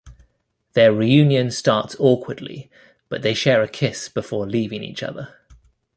Their reunion starts awkwardly, but they share a kiss before leaving each other.